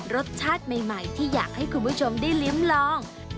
รสชาติใหม่ที่อยากให้คุณผู้ชมได้ลิ้มลอง